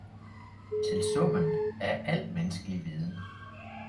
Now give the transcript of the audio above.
til summen af al menneskelig viden